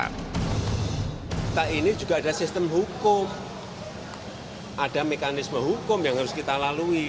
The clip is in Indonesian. kita ini juga ada sistem hukum ada mekanisme hukum yang harus kita lalui